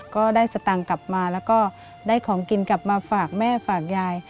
ก็ได้สตางค์กลับมาแล้วก็ได้ของกินกลับมาฝากแม่ฝากยาย